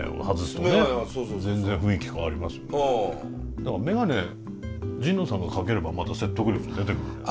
だから眼鏡神野さんがかければまた説得力も出てくんじゃない？